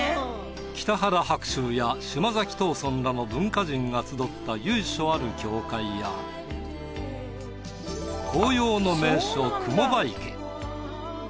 北原白秋や島崎藤村らの文化人が集った由緒ある教会や紅葉の名所雲場池。